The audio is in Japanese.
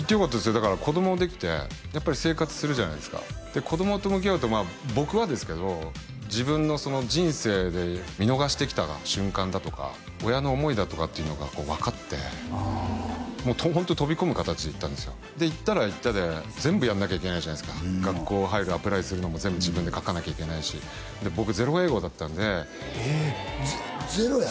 だから子供もできてやっぱり生活するじゃないですかで子供と向き合うと僕はですけど自分の人生で見逃してきた瞬間だとか親の思いだとかっていうのが分かってホント飛び込む形で行ったんですよで行ったら行ったで全部やんなきゃいけないじゃないですか学校入るアプライするのも全部自分で書かなきゃいけないし僕ゼロ英語だったんでゼロやったん？